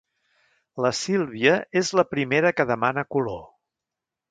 La Sílvia és la primera que demana color.